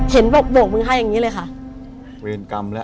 เห็นบอกโบกมือให้อย่างงี้เลยค่ะเวรกรรมแล้ว